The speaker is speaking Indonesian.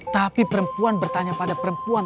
tapi perempuan bertanya pada perempuan